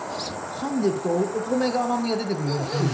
かんでくとお米が甘みが出てくるような感じ。